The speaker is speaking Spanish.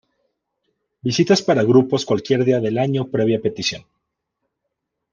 Visitas para grupos cualquier día del año previa petición.